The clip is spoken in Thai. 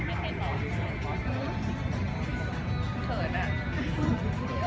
แม่กับผู้วิทยาลัย